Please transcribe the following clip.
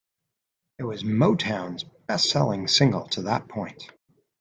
It was Motown's best-selling single to that point.